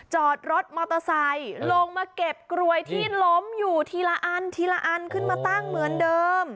จอดรถมอเตอร์ไซค์ลงมาเก็บกลวยที่ล้มอยู่ทีละอันทีละอันขึ้นมาตั้งเหมือนเดิม